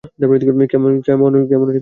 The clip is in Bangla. কেমন বিজনেস সিক্রেট?